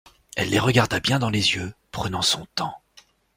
Elle les regarda bien dans les yeux, prenant son temps.